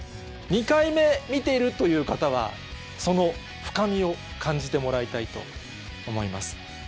２回目見ているという方はその深みを感じてもらいたいと思います。